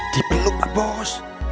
diperluk pak bos